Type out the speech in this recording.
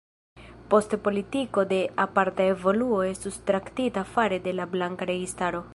Poste politiko de aparta evoluo estus traktita fare de la blanka registaro.